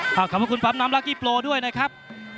นักมวยจอมคำหวังเว่เลยนะครับ